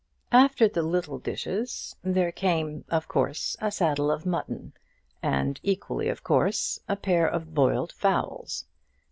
After the little dishes there came, of course, a saddle of mutton, and, equally of course, a pair of boiled fowls.